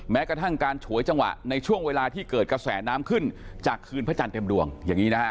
แม้กระทั่งการฉวยจังหวะในช่วงเวลาที่เกิดกระแสน้ำขึ้นจากคืนพระจันทร์เต็มดวงอย่างนี้นะฮะ